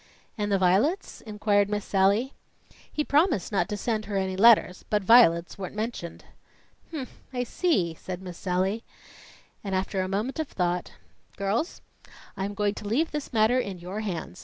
"And the violets?" inquired Miss Sallie. "He promised not to send her any letters, but violets weren't mentioned." "H'm, I see!" said Miss Sallie; and, after a moment of thought, "Girls, I am going to leave this matter in your hands.